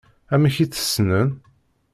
Amek i tt-tessneḍ?